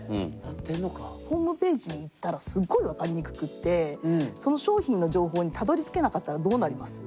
ホームページに行ったらすっごい分かりにくくってその商品の情報にたどり着けなかったらどうなります？